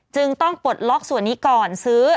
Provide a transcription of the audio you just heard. จึงต้องปลดล็อกส่วนนี้ก่อนซื้อ